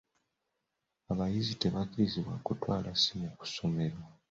Abayizi tebakkirizibwa kutwala ssimu ku ssomero.